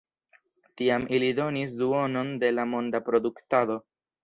Tiam ili donis duonon de la monda produktado.